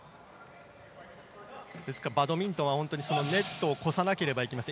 バドミントンはネットを越さなければいけません。